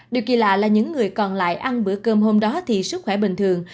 điều kỳ lạ là những người còn lại ăn bữa cơm hôm đó thì sức khỏe bình thường